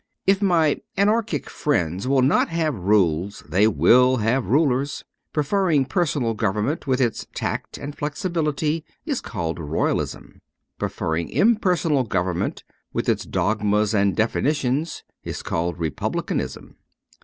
If my anarchic friends will not have rules, they will have rulers. Pre ferring personal government, with its tact and flexibility, is called Royalism, Preferring imper sonal government, with its dogmas and definitions, is called Republicanism.